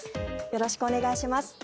よろしくお願いします。